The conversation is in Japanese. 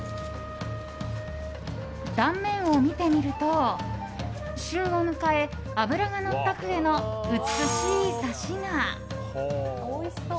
断面を見てみると、旬を迎え脂がのったクエの美しいサシが。